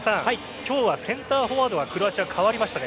今日はセンターフォワードがクロアチア、変わりましたね。